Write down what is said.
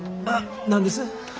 あっ何です？